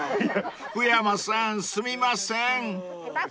［福山さんすみません］